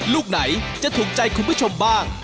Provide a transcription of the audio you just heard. ลูกไหนจะถูกใจคุณผู้ชมบ้าง